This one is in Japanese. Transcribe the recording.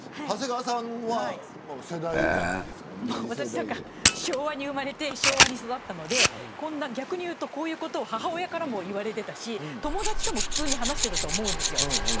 長谷川さんはもう世代じゃないですか私、なんか昭和に生まれて昭和に育ったので、逆に言うとこういうことを母親からも言われてたし、友だちとも普通に話してたと思うんですよ